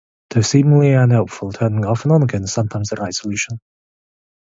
Though seemingly unhelpful, turning it off and on again is sometimes the right solution.